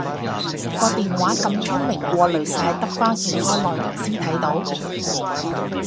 個電話咁聰明過濾晒得返健康內容先睇到？